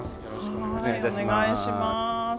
お願いします。